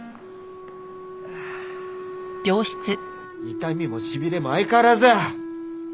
痛みも痺れも相変わらず！